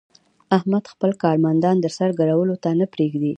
احمد خپل کارمندان د سر ګرولو ته نه پرېږي.